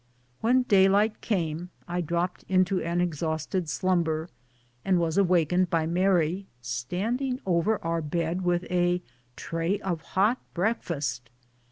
When daylight came I dropped into an exhausted slum ber, and was awakened by Mary standing over our bed with a tray of hot breakfast.